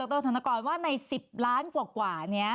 รธนกรว่าใน๑๐ล้านกว่านี้